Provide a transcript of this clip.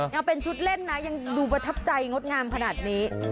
ยังเป็นชุดเล่นนะยังดูประทับใจงดงามขนาดนี้